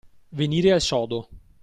Venire al sodo.